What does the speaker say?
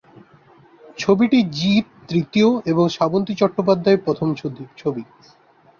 ছবিটি জিৎ তৃতীয় এবং শ্রাবন্তী চট্টোপাধ্যায় প্রথম ছবি।